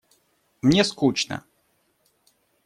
Мне скучно.